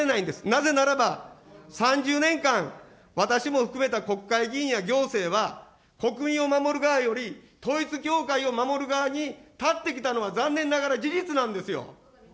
なぜならば、３０年間、わたくしも含めた国会議員や行政は、国民を守る側より、統一教会を守る側に立ってきたのは、残念ながら事実なんですよ。